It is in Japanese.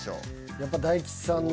やっぱ大吉さんの。